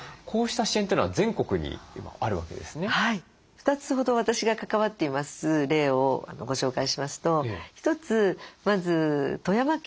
２つほど私が関わっています例をご紹介しますと１つまず富山県の例ですね。